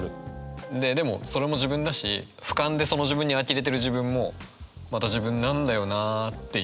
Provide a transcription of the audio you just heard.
でもそれも自分だしふかんでその自分にあきれてる自分もまた自分なんだよなっていう相手ってよりは。